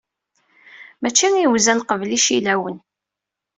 Mačči iwzan qbel icillawen.